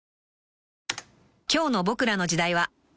［今日の『ボクらの時代』は］